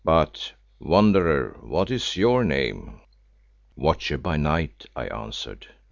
But, Wanderer, what is your name?" "Watcher by Night," I answered.